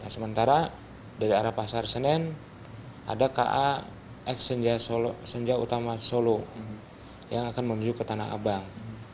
sementara dari arah pasar senen ada ka exnja utama solo yang akan menuju ke tanah abang